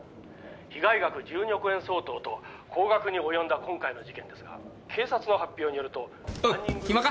「被害額１２億円相当と高額に及んだ今回の事件ですが警察の発表によると」よっ暇か？